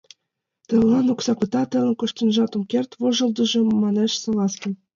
— Телылан окса пыта, телым коштынжат ом керт, — вожылде манеш Салазкин.